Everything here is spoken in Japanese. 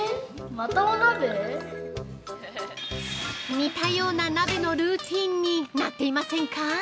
◆似たような鍋のルーティンになっていませんか？